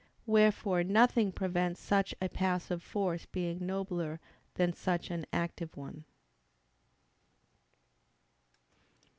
Wherefore nothing prevents such a passive force being nobler than such an active one.